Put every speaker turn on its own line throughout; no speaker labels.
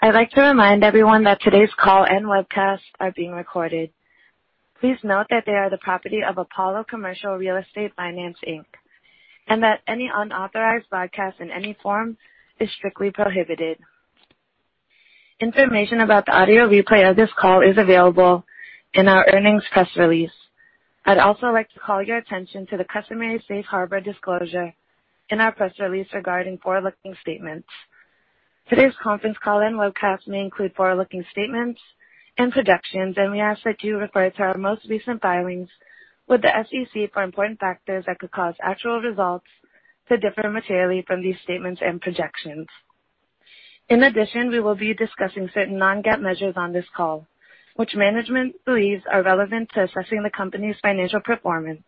I'd like to remind everyone that today's call and webcast are being recorded. Please note that they are the property of Apollo Commercial Real Estate Finance, Inc., and that any unauthorized broadcast in any form is strictly prohibited. Information about the audio replay of this call is available in our earnings press release. I'd also like to call your attention to the customary safe harbor disclosure in our press release regarding forward-looking statements. Today's conference call and webcast may include forward-looking statements and projections, and we ask that you refer to our most recent filings with the SEC for important factors that could cause actual results to differ materially from these statements and projections. In addition, we will be discussing certain non-GAAP measures on this call, which management believes are relevant to assessing the company's financial performance.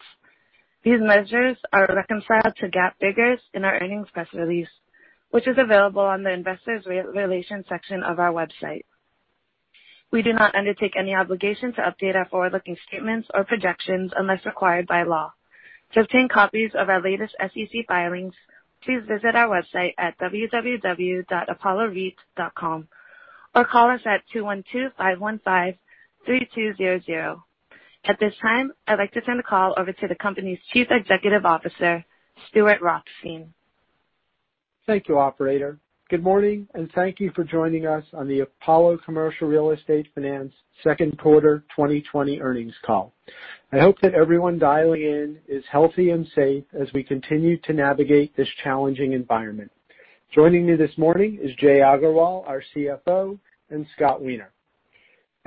These measures are reconciled to GAAP figures in our earnings press release, which is available on the investors relations section of our website. We do not undertake any obligation to update our forward-looking statements or projections unless required by law. To obtain copies of our latest SEC filings, please visit our website at www.apollocref.com or call us at 212-515-3200. At this time, I'd like to turn the call over to the company's Chief Executive Officer, Stuart Rothstein.
Thank you, operator. Good morning, and thank you for joining us on the Apollo Commercial Real Estate Finance Second Quarter 2020 Earnings Call. I hope that everyone dialing in is healthy and safe as we continue to navigate this challenging environment. Joining me this morning is Jai Agarwal, our CFO, and Scott Weiner.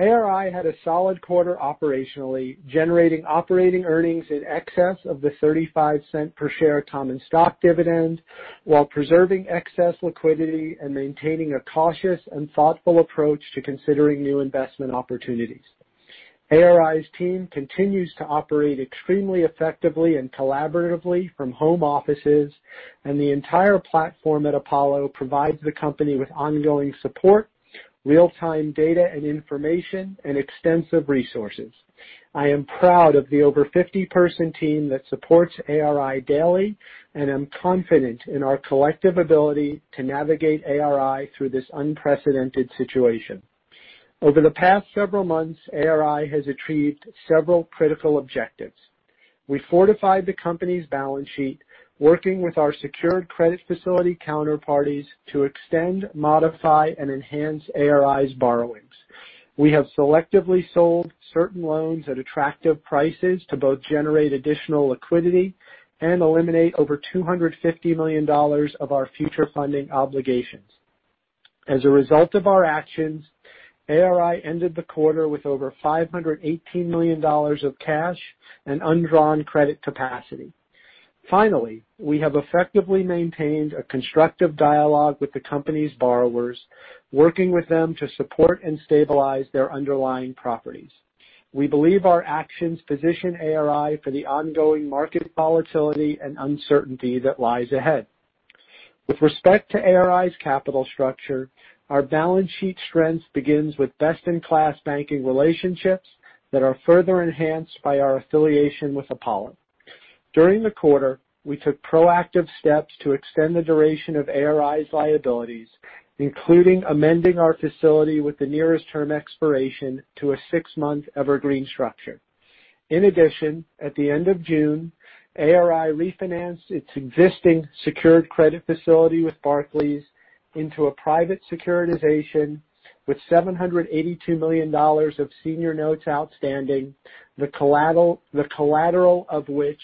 ARI had a solid quarter operationally, generating operating earnings in excess of the $0.35 per share common stock dividend, while preserving excess liquidity and maintaining a cautious and thoughtful approach to considering new investment opportunities. ARI's team continues to operate extremely effectively and collaboratively from home offices, and the entire platform at Apollo provides the company with ongoing support, real-time data and information, and extensive resources. I am proud of the over 50-person team that supports ARI daily, and I'm confident in our collective ability to navigate ARI through this unprecedented situation. Over the past several months, ARI has achieved several critical objectives. We fortified the company's balance sheet, working with our secured credit facility counterparties to extend, modify, and enhance ARI's borrowings. We have selectively sold certain loans at attractive prices to both generate additional liquidity and eliminate over $250 million of our future funding obligations. As a result of our actions, ARI ended the quarter with over $518 million of cash and undrawn credit capacity. Finally, we have effectively maintained a constructive dialogue with the company's borrowers, working with them to support and stabilize their underlying properties. We believe our actions position ARI for the ongoing market volatility and uncertainty that lies ahead. With respect to ARI's capital structure, our balance sheet strength begins with best-in-class banking relationships that are further enhanced by our affiliation with Apollo. During the quarter, we took proactive steps to extend the duration of ARI's liabilities, including amending our facility with the nearest term expiration to a six-month evergreen structure. At the end of June, ARI refinanced its existing secured credit facility with Barclays into a private securitization with $782 million of senior notes outstanding, the collateral of which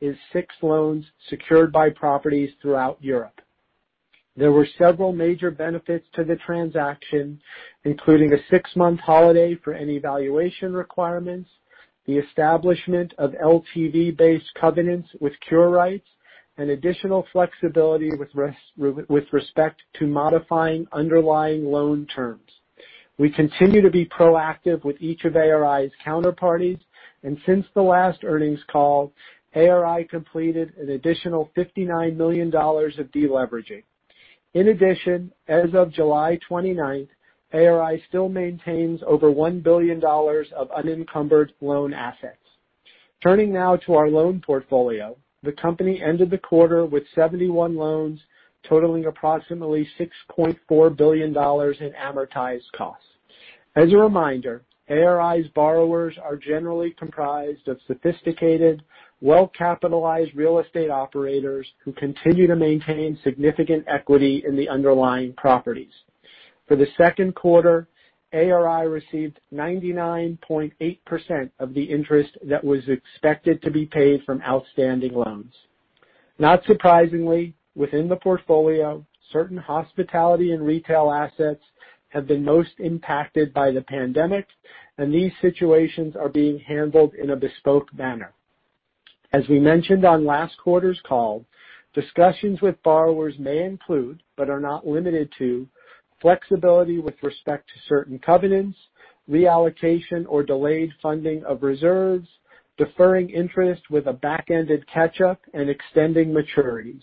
is six loans secured by properties throughout Europe. There were several major benefits to the transaction, including a six-month holiday for any valuation requirements, the establishment of LTV-based covenants with cure rights, and additional flexibility with respect to modifying underlying loan terms. We continue to be proactive with each of ARI's counterparties, and since the last earnings call, ARI completed an additional $59 million of deleveraging. In addition, as of July 29, ARI still maintains over $1 billion of unencumbered loan assets. Turning now to our loan portfolio, the company ended the quarter with 71 loans totaling approximately $6.4 billion in amortized costs. As a reminder, ARI's borrowers are generally comprised of sophisticated, well-capitalized real estate operators who continue to maintain significant equity in the underlying properties. For the second quarter, ARI received 99.8% of the interest that was expected to be paid from outstanding loans. Not surprisingly, within the portfolio, certain hospitality and retail assets have been most impacted by the pandemic, and these situations are being handled in a bespoke manner. As we mentioned on last quarter's call, discussions with borrowers may include, but are not limited to, flexibility with respect to certain covenants, reallocation or delayed funding of reserves, deferring interest with a back-ended catch-up, and extending maturities.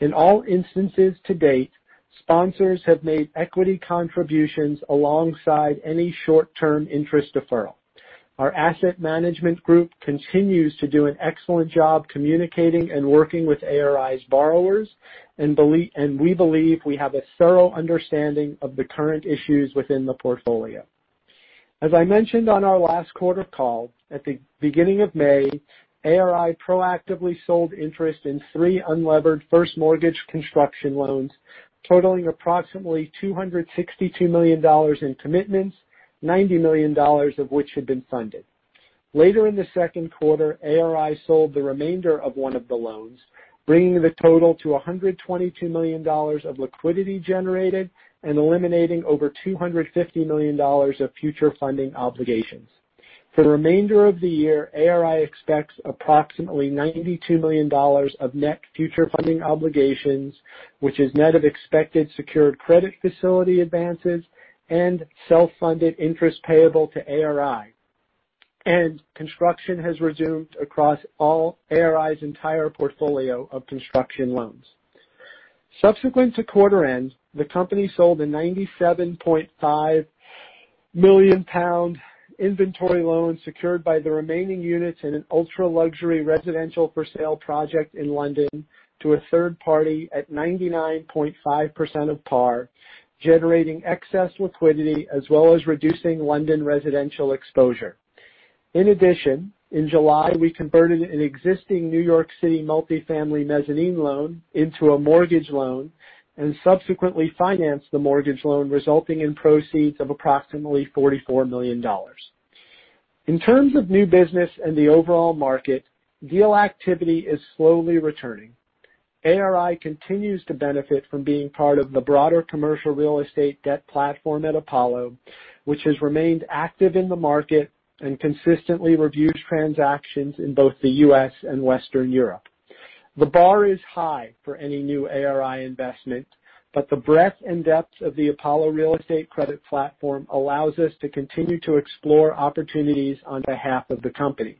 In all instances to date, sponsors have made equity contributions alongside any short-term interest deferral. Our asset management group continues to do an excellent job communicating and working with ARI's borrowers. We believe we have a thorough understanding of the current issues within the portfolio. As I mentioned on our last quarter call, at the beginning of May, ARI proactively sold interest in three unlevered first mortgage construction loans totaling approximately $262 million in commitments, $90 million of which had been funded. Later in the second quarter, ARI sold the remainder of one of the loans, bringing the total to $122 million of liquidity generated and eliminating over $250 million of future funding obligations. For the remainder of the year, ARI expects approximately $92 million of net future funding obligations, which is net of expected secured credit facility advances and self-funded interest payable to ARI. Construction has resumed across all ARI's entire portfolio of construction loans. Subsequent to quarter end, the company sold a 97.5 million pound inventory loan secured by the remaining units in an ultra-luxury residential for sale project in London to a third party at 99.5% of par, generating excess liquidity as well as reducing London residential exposure. In addition, in July, we converted an existing New York City multifamily mezzanine loan into a mortgage loan and subsequently financed the mortgage loan, resulting in proceeds of approximately $44 million. In terms of new business and the overall market, deal activity is slowly returning. ARI continues to benefit from being part of the broader commercial real estate debt platform at Apollo, which has remained active in the market and consistently reviews transactions in both the U.S. and Western Europe. The bar is high for any new ARI investment, but the breadth and depth of the Apollo Real Estate credit platform allows us to continue to explore opportunities on behalf of the company.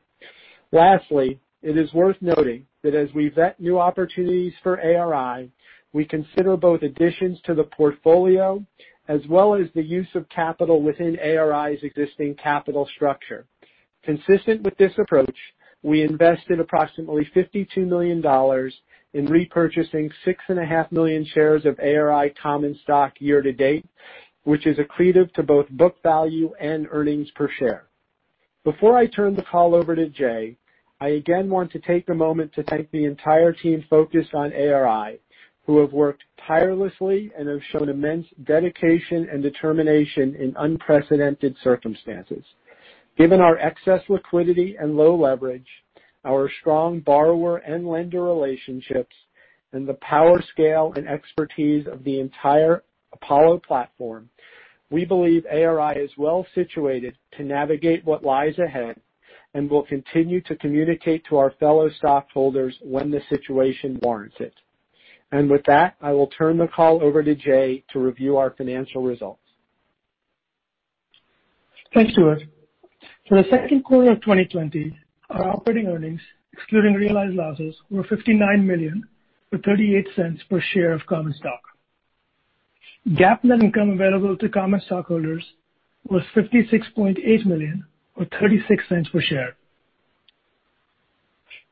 Lastly, it is worth noting that as we vet new opportunities for ARI, we consider both additions to the portfolio as well as the use of capital within ARI's existing capital structure. Consistent with this approach, we invested approximately $52 million in repurchasing 6.5 million shares of ARI common stock year-to-date, which is accretive to both book value and earnings per share. Before I turn the call over to Jai, I again want to take a moment to thank the entire team focused on ARI, who have worked tirelessly and have shown immense dedication and determination in unprecedented circumstances. Given our excess liquidity and low leverage, our strong borrower and lender relationships, and the power, scale, and expertise of the entire Apollo platform, we believe ARI is well situated to navigate what lies ahead and will continue to communicate to our fellow stockholders when the situation warrants it. With that, I will turn the call over to Jai to review our financial results.
Thanks, Stuart. For the second quarter of 2020, our operating earnings, excluding realized losses, were $59 million, or $0.38 per share of common stock. GAAP net income available to common stockholders was $56.8 million, or $0.36 per share.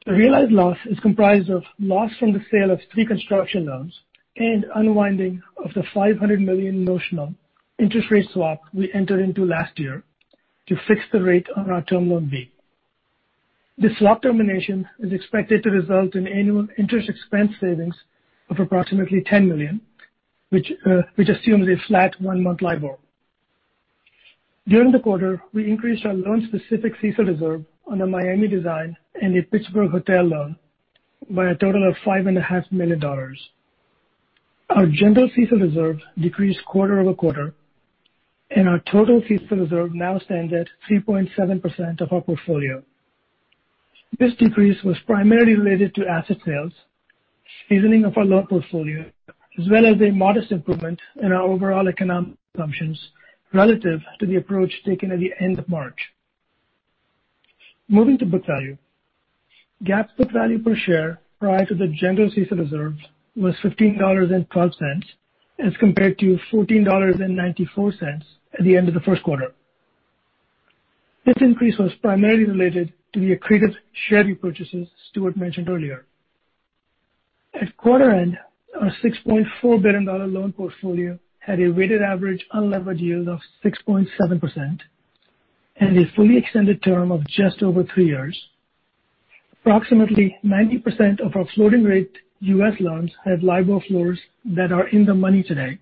The realized loss is comprised of loss from the sale of three construction loans and unwinding of the $500 million notional interest rate swap we entered into last year to fix the rate on our Term Loan B. This swap termination is expected to result in annual interest expense savings of approximately $10 million, which assumes a flat one-month LIBOR. During the quarter, we increased our loan-specific CECL reserve on the Miami Design and the Pittsburgh hotel loan by a total of $5.5 million. Our general CECL reserve decreased quarter-over-quarter, and our total CECL reserve now stands at 3.7% of our portfolio. This decrease was primarily related to asset sales, seasoning of our loan portfolio, as well as a modest improvement in our overall economic assumptions relative to the approach taken at the end of March. Moving to book value, GAAP book value per share prior to the general CECL reserves was $15.12 as compared to $14.94 at the end of the first quarter. This increase was primarily related to the accretive share repurchases Stuart mentioned earlier. At quarter end, our $6.4 billion loan portfolio had a weighted average unlevered yield of 6.7% and a fully extended term of just over three years. Approximately 90% of our floating rate U.S. loans have LIBOR floors that are in the money today,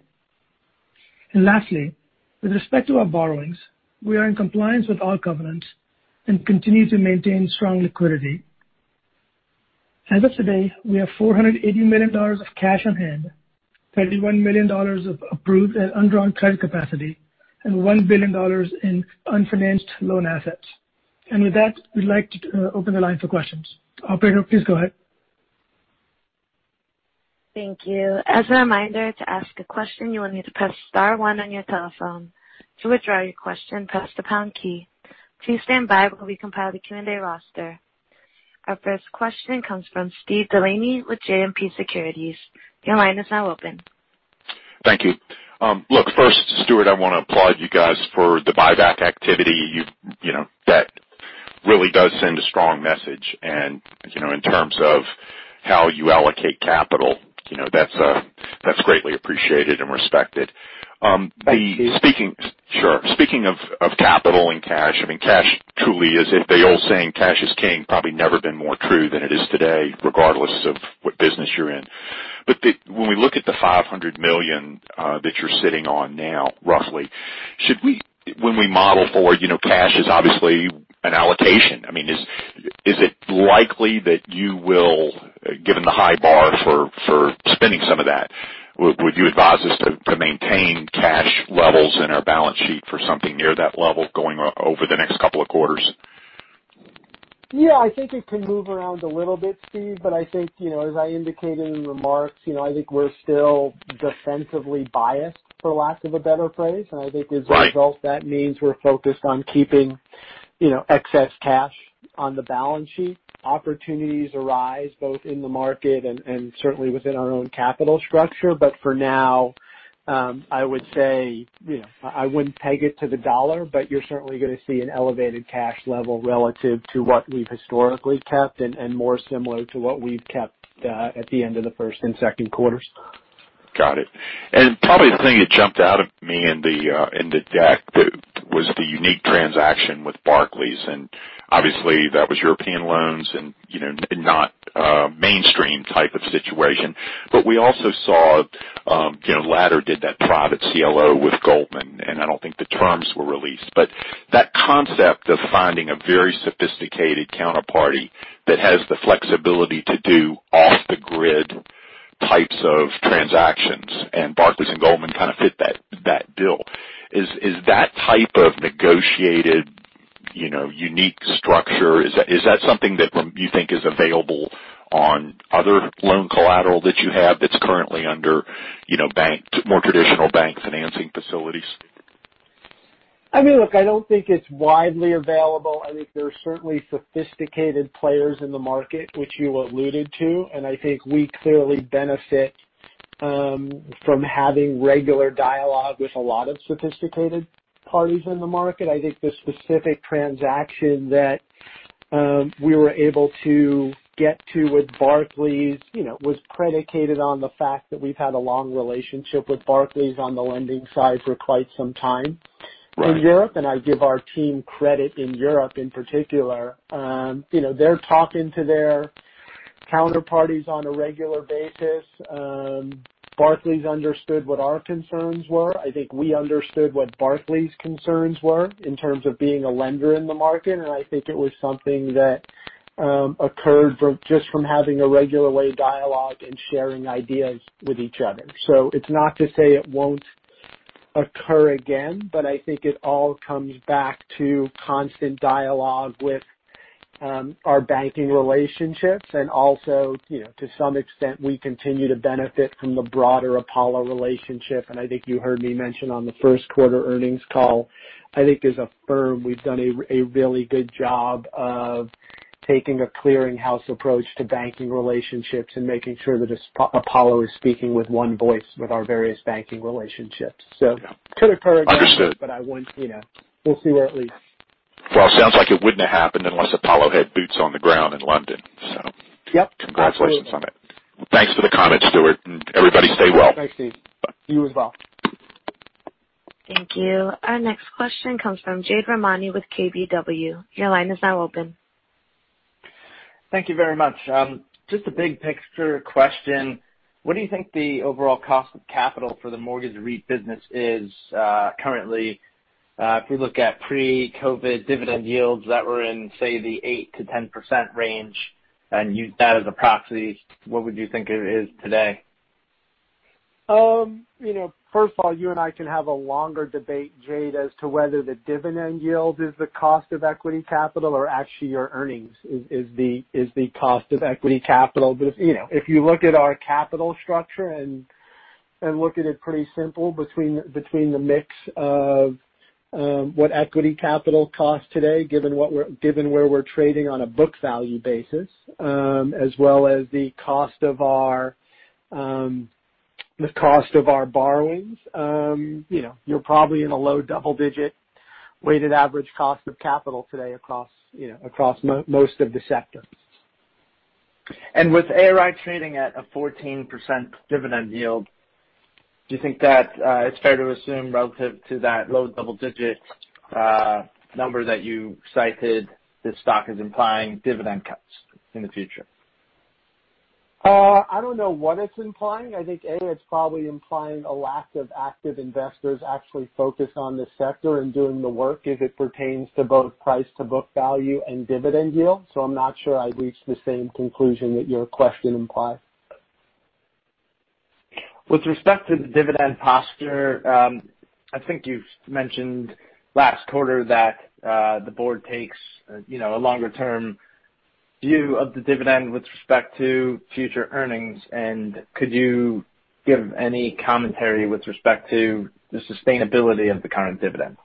and lastly, with respect to our borrowings, we are in compliance with all covenants and continue to maintain strong liquidity. As of today, we have $480 million of cash on hand, $31 million of approved and undrawn credit capacity, and $1 billion in unfinanced loan assets. With that, we'd like to open the line for questions. Operator, please go ahead.
Thank you. As a reminder, to ask a question, you will need to press star one on your telephone. To withdraw your question, press the pound key. Please stand by while we compile the Q&A roster. Our first question comes from Steve Delaney with JMP Securities. Your line is now open.
Thank you. Look, first, Stuart, I want to applaud you guys for the buyback activity, you know, that really does send a strong message. In terms of how you allocate capital, you know, that's greatly appreciated and respected.
Thank you.
Sure. Speaking of capital and cash, the old saying, "Cash is King," probably never been more true than it is today, regardless of what business you're in. When we look at the $500 million that you're sitting on now, roughly, when we model forward, cash is obviously an allocation. Is it likely that you will, given the high bar for spending some of that, would you advise us to maintain cash levels in our balance sheet for something near that level going over the next couple of quarters?
Yeah, I think it can move around a little bit, Steve. I think as I indicated in remarks, I think we're still defensively biased, for lack of a better phrase.
Right.
I think as a result, that means we're focused on keeping excess cash on the balance sheet. Opportunities arise both in the market and certainly within our own capital structure. For now, I would say, you know, I wouldn't peg it to the dollar, but you're certainly going to see an elevated cash level relative to what we've historically kept and more similar to what we've kept at the end of the first and second quarters.
Got it, and probably the thing that jumped out at me in the deck was the unique transaction with Barclays and, obviously, that was European loans and not mainstream type of situation. We also saw Ladder did that private CLO with Goldman, and I don't think the terms were released. That concept of finding a very sophisticated counterparty that has the flexibility to do off-the-grid types of transactions, and Barclays and Goldman kind of fit that bill. Is that type of negotiated, you know, unique structure, is that something that you think is available on other loan collateral that you have that's currently under more traditional bank financing facilities?
Look, I don't think it's widely available. I think there are certainly sophisticated players in the market, which you alluded to, and I think we clearly benefit from having regular dialogue with a lot of sophisticated parties in the market. I think the specific transaction that we were able to get to with Barclays, you know, was predicated on the fact that we've had a long relationship with Barclays on the lending side for quite some time.
Right.
In Europe, I give our team credit in Europe in particular, you know, they're talking to their counterparties on a regular basis. Barclays understood what our concerns were. I think we understood what Barclays' concerns were in terms of being a lender in the market, and I think it was something that occurred just from having a regular dialogue and sharing ideas with each other. It's not to say it won't occur again, but I think it all comes back to constant dialogue with our banking relationships. Also, to some extent, we continue to benefit from the broader Apollo relationship. I think you heard me mention on the first quarter earnings call, I think as a firm, we've done a really good job of taking a clearing house approach to banking relationships and making sure that Apollo is speaking with one voice with our various banking relationships. It could occur again.
Understood
We'll see where it leads.
Well, sounds like it wouldn't have happened unless Apollo had boots on the ground in London.
Yep, absolutely.
Congratulations on it. Thanks for the comment, Stuart, and everybody stay well.
Thanks, Steve. You as well.
Thank you. Our next question comes from Jade Rahmani with KBW. Your line is now open.
Thank you very much. Just a big-picture question, what do you think the overall cost of capital for the mortgage REIT business is currently? If we look at pre-COVID dividend yields that were in, say, the 8% to 10% range and use that as a proxy, what would you think it is today?
First of all, you and I can have a longer debate, Jade, as to whether the dividend yield is the cost of equity capital or actually your earnings is the cost of equity capital. If you look at our capital structure and look at it pretty simple between the mix of what equity capital costs today, given where we're trading on a book value basis, as well as the cost of our borrowings. You're probably in a low double-digit weighted average cost of capital today across most of the sectors.
With ARI trading at a 14% dividend yield, do you think that it's fair to assume relative to that low double-digit number that you cited, the stock is implying dividend cuts in the future?
I don't know what it's implying. I think, A, it's probably implying a lack of active investors actually focused on the sector and doing the work as it pertains to both price to book value and dividend yield. I'm not sure I'd reach the same conclusion that your question implies.
With respect to the dividend posture, I think you've mentioned last quarter that the board takes a longer-term view of the dividend with respect to future earnings. Could you give any commentary with respect to the sustainability of the current dividend?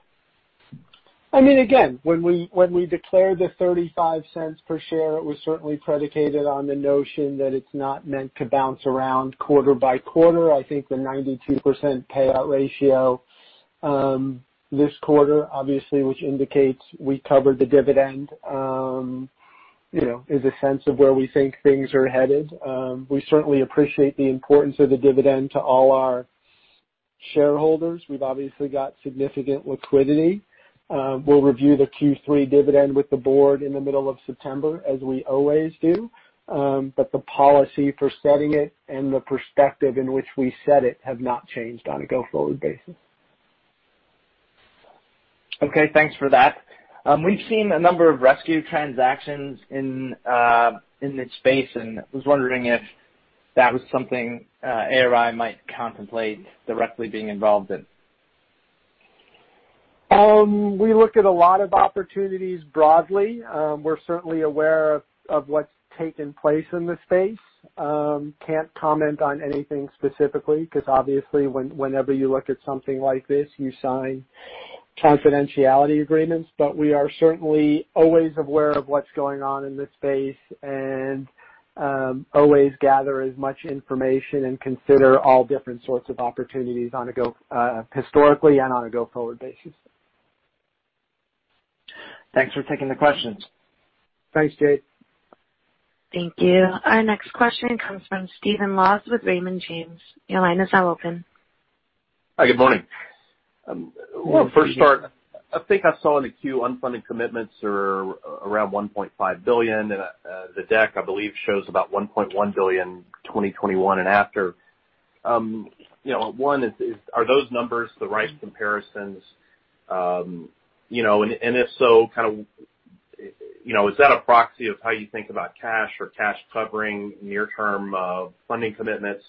Again, when we declared the $0.35 per share, it was certainly predicated on the notion that it's not meant to bounce around quarter by quarter. I think the 92% payout ratio this quarter, obviously, which indicates we covered the dividend, you know, is a sense of where we think things are headed. We certainly appreciate the importance of the dividend to all our shareholders. We've obviously got significant liquidity. We'll review the Q3 dividend with the board in the middle of September, as we always do. The policy for setting it and the perspective in which we set it have not changed on a go-forward basis.
Okay, thanks for that. We've seen a number of rescue transactions in this space and I was wondering if that was something ARI might contemplate directly being involved in.
We look at a lot of opportunities broadly. We're certainly aware of what's taken place in the space. I can't comment on anything specifically, because obviously whenever you look at something like this, you sign confidentiality agreements. We are certainly always aware of what's going on in this space and always gather as much information and consider all different sorts of opportunities historically and on a go-forward basis.
Thanks for taking the questions.
Thanks, Jade.
Thank you. Our next question comes from Stephen Laws with Raymond James. Your line is now open.
Hi, good morning. Well, first start, I think I saw on the Q1 unfunded commitments are around $1.5 billion, and the deck, I believe, shows about $1.1 billion, 2021 and after. One is, are those numbers the right comparisons? If so, is that a proxy of how you think about cash or cash covering near term funding commitments?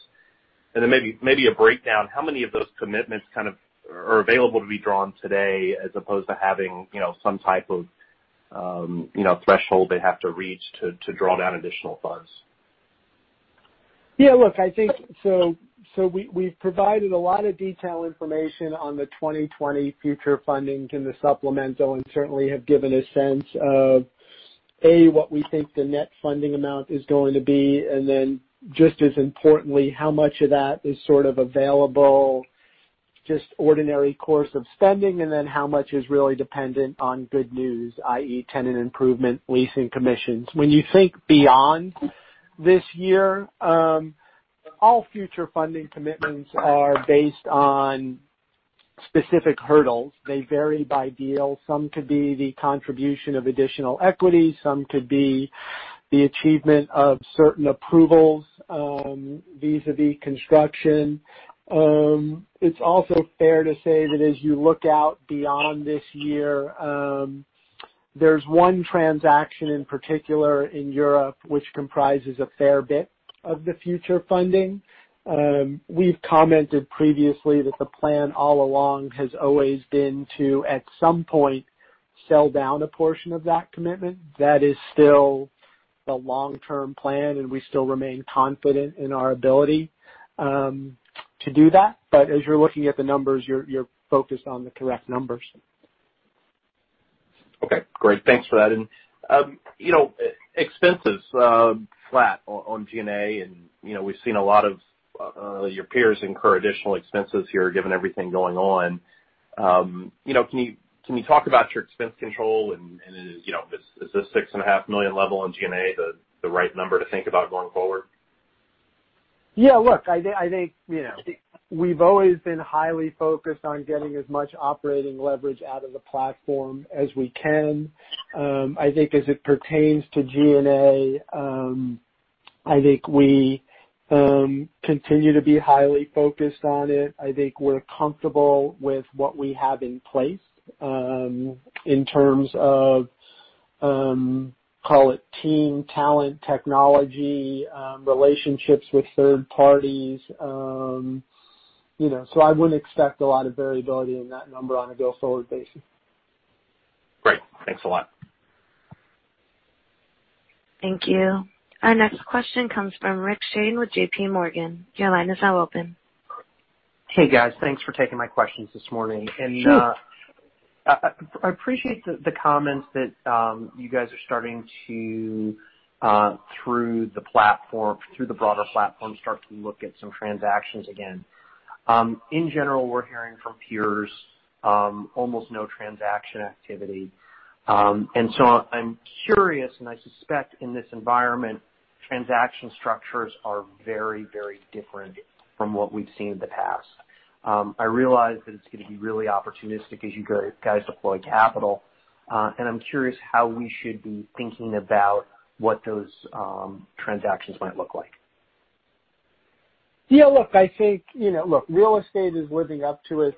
Maybe a breakdown, how many of those commitments are available to be drawn today as opposed to having some type of threshold they have to reach to draw down additional funds?
Yeah, look, I think we've provided a lot of detail information on the 2020 future funding in the supplemental, and certainly have given a sense of, A, what we think the net funding amount is going to be, and then just as importantly, how much of that is sort of available, just ordinary course of spending, and then how much is really dependent on good news, i.e., tenant improvement, leasing commissions. When you think beyond this year, all future funding commitments are based on specific hurdles. They vary by deal. Some could be the contribution of additional equity. Some could be the achievement of certain approvals vis-à-vis construction. It's also fair to say that as you look out beyond this year, there's one transaction in particular in Europe which comprises a fair bit of the future funding. We have commented previously that the plan all along has always been to, at some point, sell down a portion of that commitment. That is still the long-term plan, and we still remain confident in our ability to do that, but as you're looking at the numbers, you're focused on the correct numbers.
Okay, great, and thanks for that. Expenses flat on G&A and, you know, we've seen a lot of your peers incur additional expenses here, given everything going on. Can you talk about your expense control and is this $6.5 million level in G&A the right number to think about going forward?
Yeah, look, I think, you know, we've always been highly focused on getting as much operating leverage out of the platform as we can. I think as it pertains to G&A, I think we continue to be highly focused on it. I think we're comfortable with what we have in place, in terms of, call it team talent, technology, relationships with third parties. I wouldn't expect a lot of variability in that number on a go-forward basis.
Great. Thanks a lot.
Thank you. Our next question comes from Rick Shane with J.P. Morgan. Your line is now open.
Hey, guys. Thanks for taking my questions this morning.
Sure.
I appreciate the comments that you guys are starting to, through the broader platform, start to look at some transactions again. In general, we're hearing from peers almost no transaction activity. I'm curious, and I suspect in this environment, transaction structures are very different from what we've seen in the past. I realize that it's going to be really opportunistic as you guys deploy capital. I'm curious how we should be thinking about what those transactions might look like.
Yeah, look, I think, you know, look, real estate is living up to its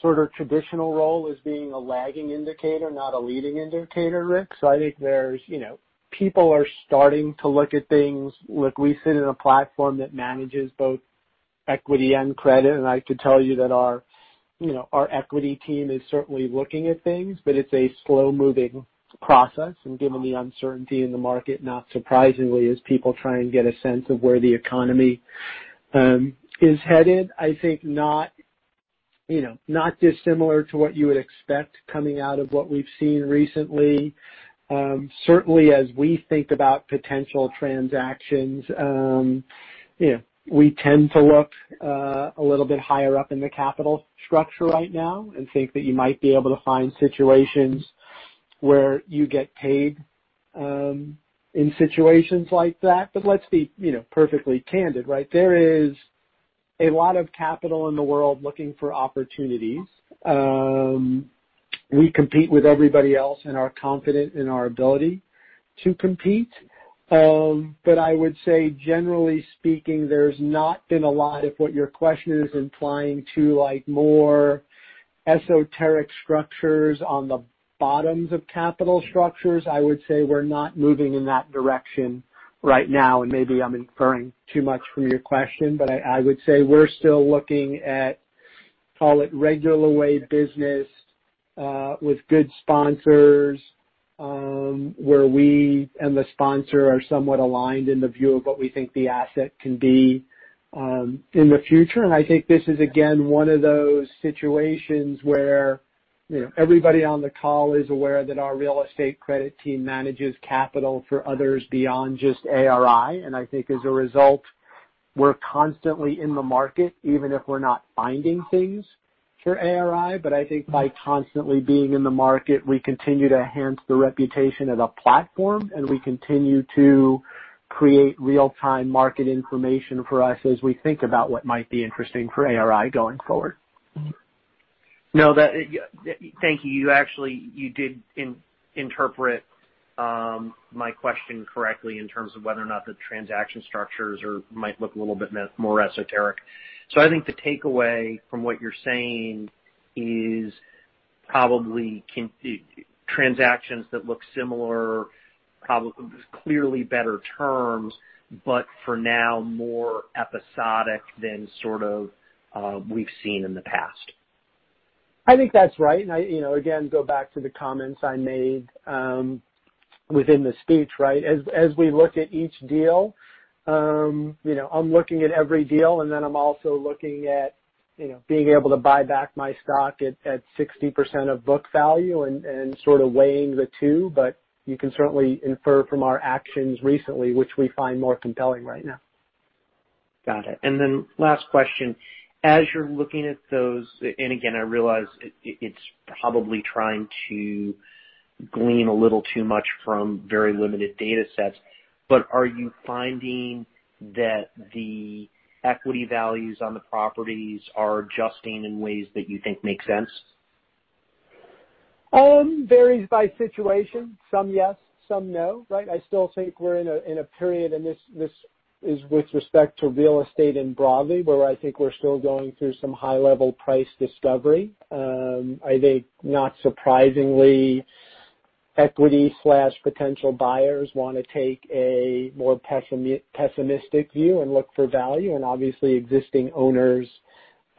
sort of traditional role as being a lagging indicator, not a leading indicator, Rick. I think people are starting to look at things. Look, we sit in a platform that manages both equity and credit, and I can tell you that our equity team is certainly looking at things, but it's a slow-moving process, and given the uncertainty in the market, not surprisingly, as people try and get a sense of where the economy is headed. I think not dissimilar to what you would expect coming out of what we've seen recently. Certainly, as we think about potential transactions, you know, we tend to look a little bit higher up in the capital structure right now and think that you might be able to find situations where you get paid in situations like that. Let's be perfectly candid, right? There is a lot of capital in the world looking for opportunities. We compete with everybody else and are confident in our ability to compete. I would say, generally speaking, there's not been a lot of what your question is implying to more esoteric structures on the bottoms of capital structures. I would say we're not moving in that direction right now, and maybe I'm inferring too much from your question. I would say we're still looking at, call it, regular way business, with good sponsors, where we and the sponsor are somewhat aligned in the view of what we think the asset can be in the future. I think this is, again, one of those situations where everybody on the call is aware that our real estate credit team manages capital for others beyond just ARI. I think as a result, we're constantly in the market, even if we're not finding things for ARI. I think by constantly being in the market, we continue to enhance the reputation of the platform, and we continue to create real-time market information for us as we think about what might be interesting for ARI going forward.
No. Thank you. You, actually, you did interpret my question correctly in terms of whether or not the transaction structures might look a little bit more esoteric. I think the takeaway from what you're saying is probably transactions that look similar, clearly better terms, but for now, more episodic than sort of we've seen in the past.
I think that's right and I, you know, again, go back to the comments I made within the speech, right? As we look at each deal, I'm looking at every deal, and then I'm also looking at, you know, being able to buy back my stock at 60% of book value and sort of weighing the two. You can certainly infer from our actions recently, which we find more compelling right now.
Got it and then the last question, as you're looking at those, and again, I realize it's probably trying to glean a little too much from very limited data sets, but are you finding that the equity values on the properties are adjusting in ways that you think make sense?
It varies by situation, some yes, some no. I still think we're in a period, and this is with respect to real estate and broadly, where I think we're still going through some high-level price discovery. I think, not surprisingly, equity/potential buyers want to take a more pessimistic view and look for value, and obviously, existing owners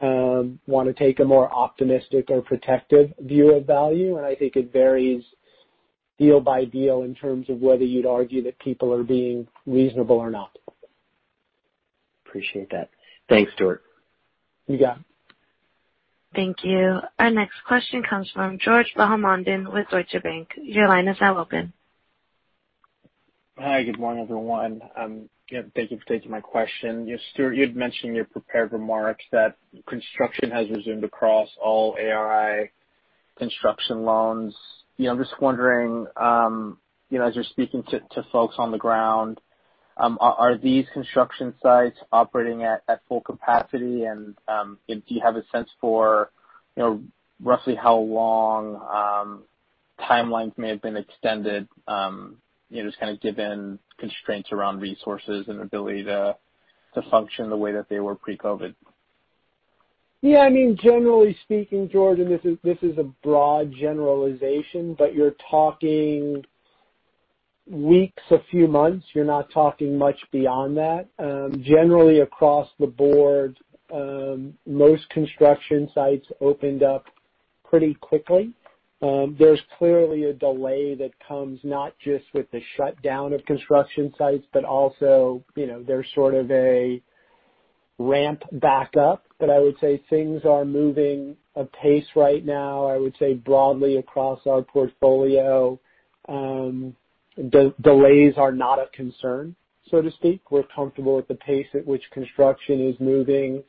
want to take a more optimistic or protective view of value. I think it varies deal by deal in terms of whether you'd argue that people are being reasonable or not.
Appreciate that. Thanks, Stuart.
You got it.
Thank you. Our next question comes from George Bahamondes with Deutsche Bank. Your line is now open.
Hi. Good morning, everyone. Thank you for taking my question. Stuart, you had mentioned in your prepared remarks that construction has resumed across all ARI construction loans. I'm just wondering, as you're speaking to folks on the ground, are these construction sites operating at full capacity? Do you have a sense for roughly how long timelines may have been extended just kind of given constraints around resources and ability to function the way that they were pre-COVID?
Yeah, I mean, generally speaking, George, and this is a broad generalization, but you're talking weeks, a few months. You're not talking much beyond that. Generally, across the board, most construction sites opened up pretty quickly. There's clearly a delay that comes not just with the shutdown of construction sites, but also there's sort of a ramp back up. I would say things are moving at pace right now. I would say broadly across our portfolio, delays are not a concern, so to speak. We're comfortable with the pace at which construction is moving.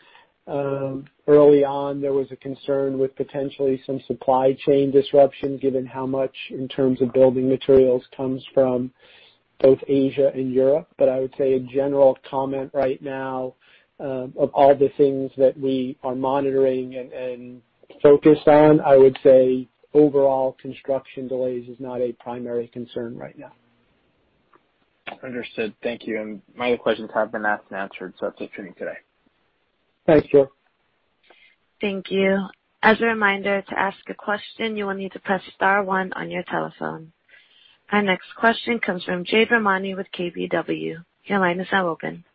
Early on, there was a concern with potentially some supply chain disruption, given how much in terms of building materials comes from both Asia and Europe. I would say a general comment right now, of all the things that we are monitoring and focused on, I would say overall construction delays is not a primary concern right now.
Understood. Thank you. My other questions have been asked and answered, so that's it for me today.
Thanks, George.
Thank you. As a reminder, to ask a question, you will need to press star one on your telephone. Our next question comes from Jade Rahmani with KBW. Your line is now open.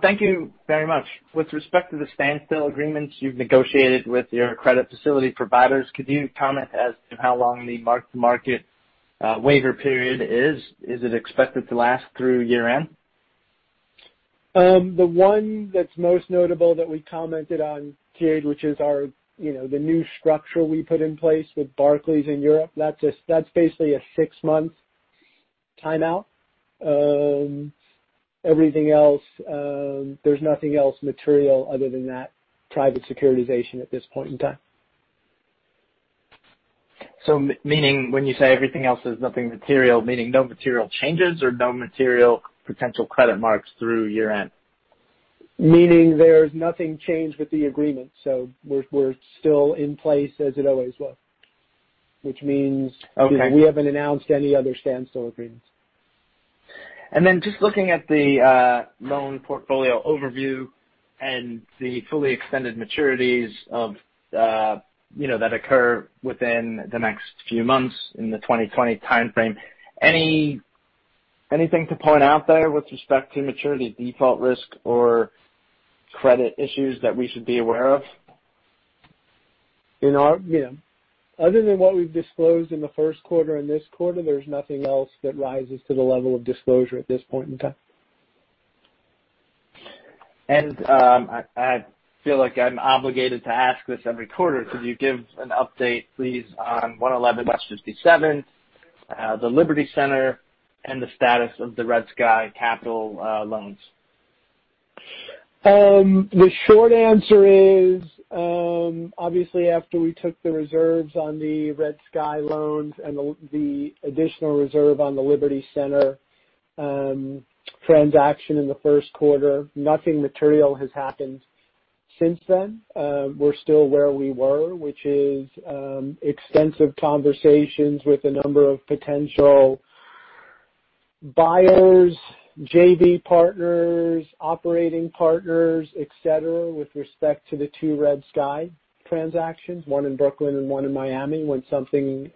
Thank you very much. With respect to the standstill agreements you've negotiated with your credit facility providers, could you comment as to how long the mark-to-market waiver period is? Is it expected to last through year-end?
The one that's most notable that we commented on, Jade, which is the new structure we put in place with Barclays in Europe. That's basically a six-month timeout. There's nothing else material other than that private securitization at this point in time.
Meaning when you say everything else, there's nothing material, meaning no material changes or no material potential credit marks through year-end?
Meaning there's nothing changed with the agreement, so we're still in place as it always was, which means we haven't announced any other standstill agreements.
Then just looking at the loan portfolio overview, and the fully extended maturities that occur within the next few months in the 2020 timeframe, anything to point out there with respect to maturity default risk or credit issues that we should be aware of?
Other than what we've disclosed in the first quarter and this quarter, there's nothing else that rises to the level of disclosure at this point in time.
I feel like I'm obligated to ask this every quarter. Could you give an update, please, on 111 West 57th, the Liberty Center, and the status of the RedSky Capital loans?
The short answer is, obviously, after we took the reserves on the RedSky loans and the additional reserve on the Liberty Center transaction in the first quarter, nothing material has happened since then. We're still where we were, which is extensive conversations with a number of potential buyers, JV partners, operating partners, et cetera, with respect to the two RedSky transactions, one in Brooklyn and one in Miami. When something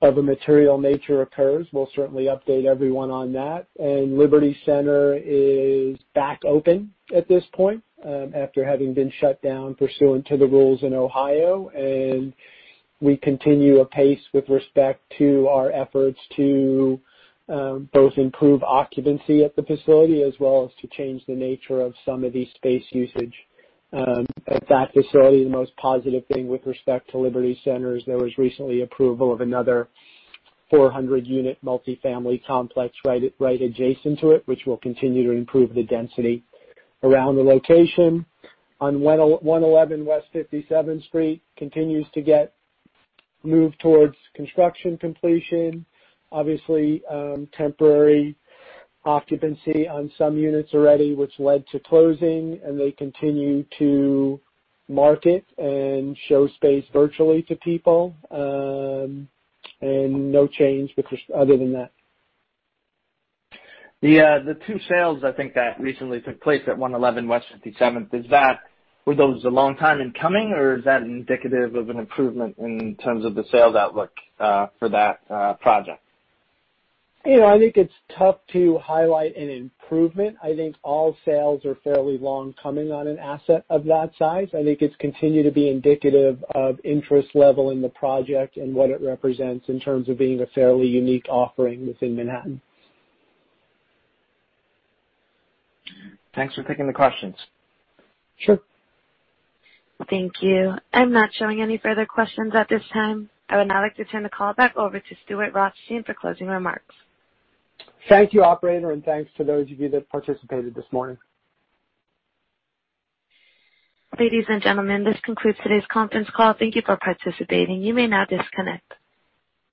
of a material nature occurs, we'll certainly update everyone on that, and Liberty Center is back open at this point, after having been shut down pursuant to the rules in Ohio. We continue apace with respect to our efforts to both improve occupancy at the facility as well as to change the nature of some of the space usage at that facility. The most positive thing with respect to Liberty Center is there was recently approval of another 400-unit multi-family complex right adjacent to it, which will continue to improve the density around the location. On 111 West 57th Street continues to get moved towards construction completion. Obviously, temporary occupancy on some units already, which led to closing, and they continue to market and show space virtually to people, and no change other than that.
The two sales, I think that recently took place at 111 West 57th, were those a long time in coming, or is that indicative of an improvement in terms of the sales outlook for that project?
I think it's tough to highlight an improvement. I think all sales are fairly long coming on an asset of that size. I think it's continued to be indicative of interest level in the project and what it represents in terms of being a fairly unique offering within Manhattan.
Thanks for taking the questions.
Sure.
Thank you. I'm not showing any further questions at this time. I would now like to turn the call back over to Stuart Rothstein for closing remarks.
Thank you, operator, and thanks to those of you that participated this morning.
Ladies and gentlemen, this concludes today's conference call. Thank you for participating. You may now disconnect.